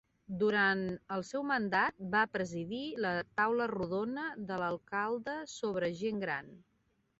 Durant el seu mandat, va presidir la Taula Rodona de l'Alcalde sobre Gent Gran.